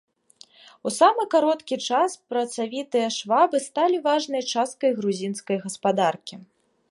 У самы кароткі час працавітыя швабы сталі важнай часткай грузінскай гаспадаркі.